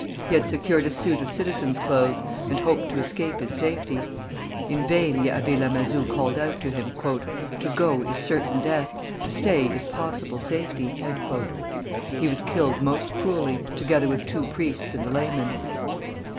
He had secured a suit of citizen's clothes, and hoped to escape in safety. In vain the Abbé Lamazou called out to him, "To go is certain death; to stay is possible safety." He was killed most cruelly, together with two' priests and a layman.